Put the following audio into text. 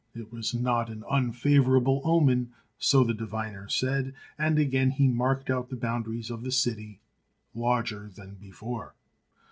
It was not an unfavourable omen, so the diviners said, and again he marked out the boundaries of the city larger than before.